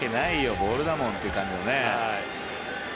ボールだもんっていう感じのね。